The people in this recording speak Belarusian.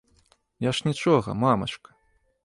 Я ж нічога, мамачка.